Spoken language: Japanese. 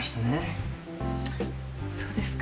そうですか。